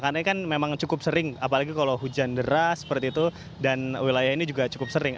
karena ini kan memang cukup sering apalagi kalau hujan deras seperti itu dan wilayah ini juga cukup sering